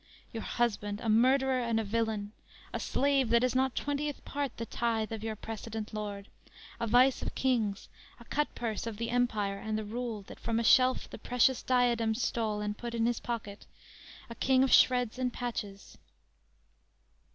Your husband; a murderer and a villain; A slave that is not twentieth part the tithe Of your precedent lord; a vice of kings; A cutpurse of the empire and the rule, That from a shelf the precious diadem stole And put it in his pocket! A king of shreds and patches!"